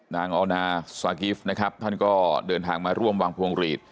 ออนาซากิฟต์นะครับท่านก็เดินทางมาร่วมวางพวงหลีด